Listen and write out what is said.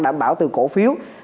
đảm bảo từ cổ phiếu